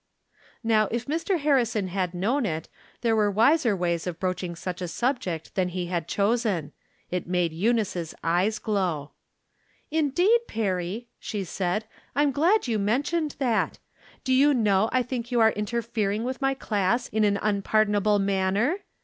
Now, if Mr. Harrison had known it, there were wiser ways of broaching such a subject than he had chosen ; it made Eunice's eyes glow. " Indeed, Perry," she said, " I'm glad you men tioned that. Do you know I think you are inter fering with my class in an unpardonable manner